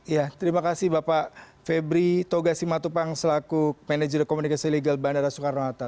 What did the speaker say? ya terima kasih bapak febri toga simatupang selaku manager komunikasi legal bandara soekarno hatta